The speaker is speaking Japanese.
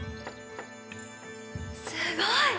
すごい！